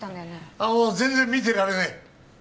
ああもう全然見てられない